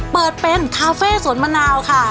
โปรดติดตามต่อไป